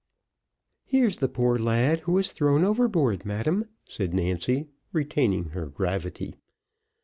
"Here's the poor lad who was thrown overboard, madam," said Nancy, retaining her gravity.